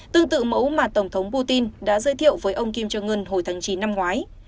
tương tự mẫu mà tổng thống putin đã giới thiệu với ông kim jong un hồi tháng chín năm ngoái